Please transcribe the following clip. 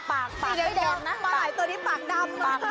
ปากปากไม่แดงนะปลาไหล่ตัวนี้ปากดำ